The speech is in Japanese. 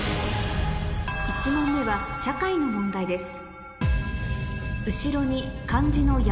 １問目は社会の問題です